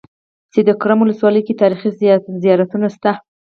سیدکرم ولسوالۍ کې تاریخي زيارتونه شته.